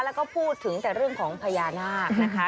แล้วก็พูดถึงแต่เรื่องของพญานาคนะคะ